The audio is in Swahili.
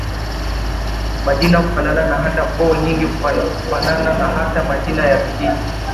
Majina kufanana na hata koo nyingi kufanana na hata majina ya Vijiji